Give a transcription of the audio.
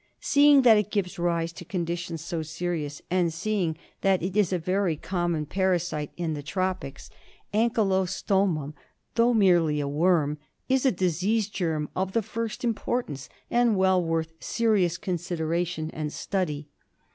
^"^ Seeing that it gives rise to con ditions so serious, and seeing that it is a very common parasite in the tropics, the anky i6 ANKYLOSTOMIASIS. lostomum, though merely a worm, is a disease germ of the tirst importance and well worth serious consideration and study.